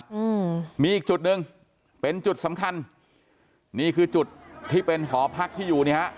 อืมมีอีกจุดหนึ่งเป็นจุดสำคัญนี่คือจุดที่เป็นหอพักที่อยู่เนี่ยฮะ